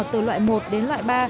từ loại một đến loại ba